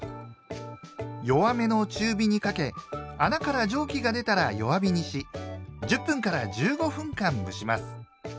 弱めの中火にかけ穴から蒸気が出たら弱火にし１０分から１５分間蒸します。